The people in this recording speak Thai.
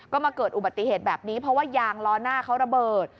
ก็มาเกิดอุบัติเหตุแบบนี้เพราะว่ายางล้อหน้าเขาระเบิด